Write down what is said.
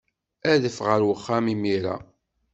Adef ɣer uxxam imir-a.